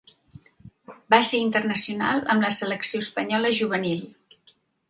Va ser internacional amb la selecció espanyola juvenil.